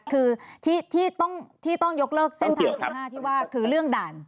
คือที่ต้องยกเลิกเส้นทาง๑๕ที่ว่าคือเรื่องด่าน